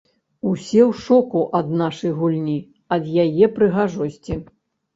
Усе ў шоку ад нашай гульні, ад яе прыгажосці.